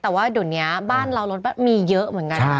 แต่ว่าเดี๋ยวนี้บ้านเรารถมีเยอะเหมือนกัน